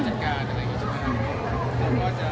ใช่ครับก็มันจะมีเบอร์จัดการอะไรก็จะมา